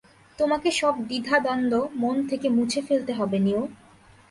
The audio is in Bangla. তোমাকে সব দ্বিধা-দ্বন্ধ মন থেকে মুছে ফেলতে হবে, নিও।